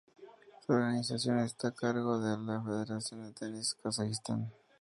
Su organización está a cargo de la Federación de Tenis de Kazajistán.